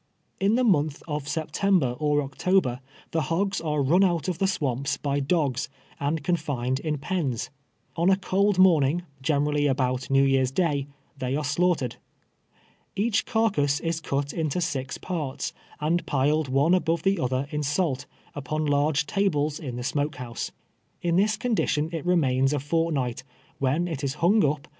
In the month of September or Octol)er, the hogs are run out of the swamps by dogs, and confined in pens. On a cold morning, generally about Xew Year's day, they are slaughtered. Each carcass is cut into six jiarts, and piled one above the other in salt, upon large tables in the smoke house. Li this condition it remains a fortnight, when it is hung up.